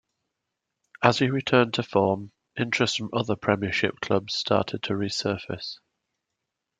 As he returned to form, interest from other Premiership clubs started to resurface.